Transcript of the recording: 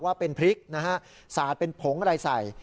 ว่าเป็นพริกนะฮะสาดเป็นผงอะไรใส่